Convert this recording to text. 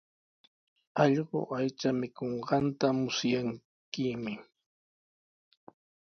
Allqu aycha mikunqanta musyankimi.